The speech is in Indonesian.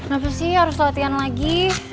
gapapa sih harus latihan lagi